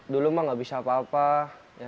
dulu mah gak bisa apa apa